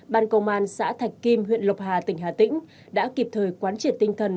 ban công an xã thạch kim huyện lộc hà tỉnh hà tĩnh đã kịp thời quán triển tinh thần